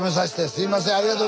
すいません。